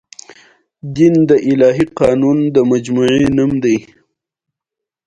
ګران بیه جامو پر تولید او پېر بندیز ولګول شو.